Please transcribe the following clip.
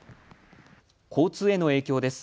交通への影響です。